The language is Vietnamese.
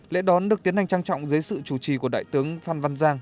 lễ đón được tiến hành trang trọng dưới sự chủ trì của đại tướng phan văn giang